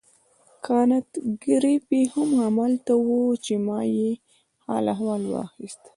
کانت ګریفي هم همالته وو چې ما یې حال و احوال واخیست.